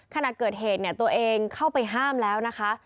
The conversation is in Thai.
ขณะเกิดเหตุเนี่ยตัวเองเข้าไปห้ามแล้วนะคะ